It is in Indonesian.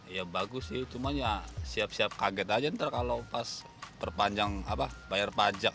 ya bagus sih cuma ya siap siap kaget aja ntar kalau pas perpanjang bayar pajak